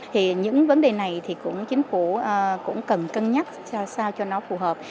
thì những vấn đề này thì cũng chính phủ cũng cần cân nhắc sao cho nó phù hợp